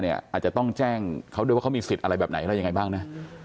อาจจะต้องแจ้งเขาด้วยว่าเขามีสิทธิ์อะไรแบบไหนอะไรยังไงบ้างนะ